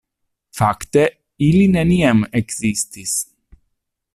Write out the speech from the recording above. Fakte, ili neniam ekzistis.